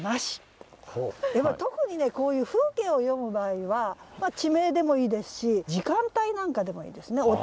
特にねこういう風景を詠む場合は地名でもいいですし時間帯なんかでもいいですね。